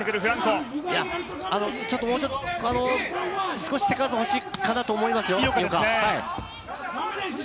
少し手数欲しいかなと思いますよ、井岡。